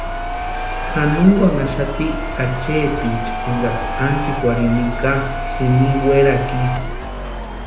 Janonkwanhaxati acheticha enkaksï ánchikwarhini nika jini werakwa isï.